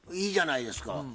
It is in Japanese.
いいじゃないですか。